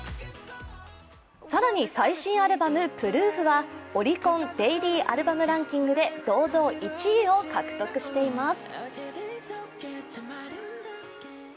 更に最新アルバム「Ｐｒｏｏｆ」はオリコンデイリーアルバムランキングで堂々１位を獲得しています。